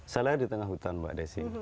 saya lahir di tengah hutan mbak desi